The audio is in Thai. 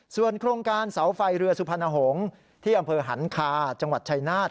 ส่วนโครงการเสาไฟเรือสุพรรณหงษ์ที่อำเภอหันคาจังหวัดชายนาฏ